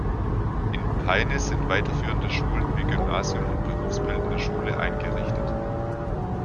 In Peine sind weiterführende Schulen wie Gymnasium und Berufsbildende Schule eingerichtet.